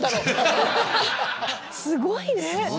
すごいね！